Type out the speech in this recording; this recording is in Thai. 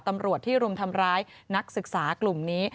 ตำรวจที่รุมทำร้ายนักศึกษากลุ่มนี้